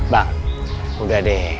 bang udah deh